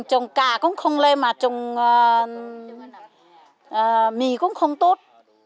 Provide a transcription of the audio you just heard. trồng cà cũng không lên mà trồng mì cũng không tốt